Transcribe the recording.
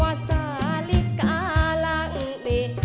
ว่าสาริกาลังเนี่ย